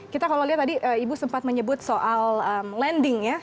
kita kalau lihat tadi ibu sempat menyebut soal landing ya